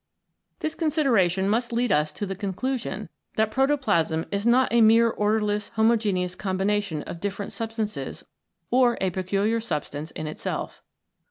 This consideration must lead us to the conclusion that protoplasm is not a CHEMICAL PHENOMENA IN LIFE mere orderless homogeneous combination of dif ferent substances or a peculiar substance in itself.